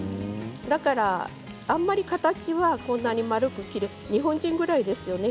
だからあまり形はこんなに丸く日本人ぐらいですよね